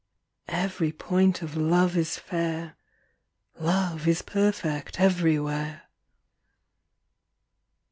Every point of Love is fair, Love is perfect everywhere.